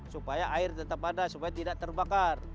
supaya air tetap ada supaya tidak terbakar